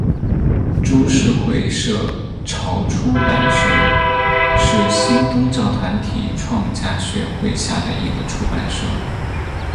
株式会社潮出版社是新宗教团体创价学会下的一个出版社。